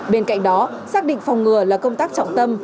bên cạnh đó xác định phòng ngừa là công tác trọng tâm